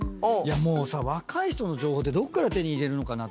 もうさ若い人の情報ってどこから手に入れるのかなと思って。